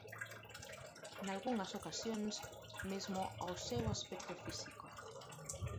Nalgunhas ocasións, mesmo ao seu aspecto físico.